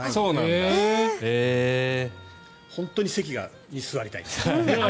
本当に席に座りたい。